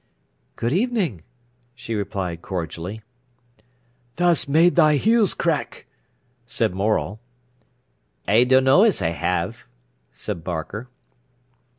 "Good evening," she replied cordially. "Tha's made thy heels crack," said Morel. "I dunno as I have," said Barker.